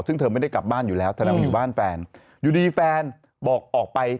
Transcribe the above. ซึ่งเธอไม่ได้กลับบ้านอยู่แล้วแสดงว่าอยู่บ้านแฟนอยู่ดีแฟนบอกออกไป